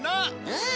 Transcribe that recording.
うん。